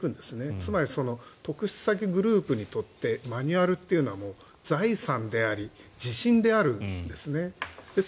つまり特殊詐欺グループにとってマニュアルというのは財産であり、自信であるんです。